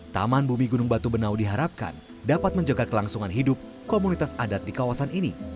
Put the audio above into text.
taman bumi gunung batu benau diharapkan dapat menjaga kelangsungan hidup komunitas adat di kawasan ini